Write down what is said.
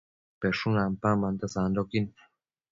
peshun ampambanta sandoquin